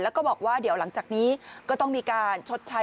แล้วก็บอกว่าเดี๋ยวหลังจากนี้ก็ต้องมีการชดใช้